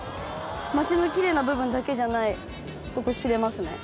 街の奇麗な部分だけじゃないとこ知れますね。